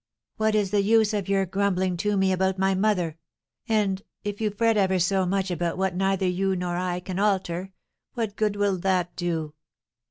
What is the use of your grumbling to me about my mother? and, if you fret ever so much about what neither you nor I can alter, what good will that do?"